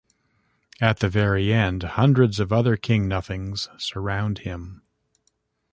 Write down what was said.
At the very end, hundreds of other King Nothings surround him.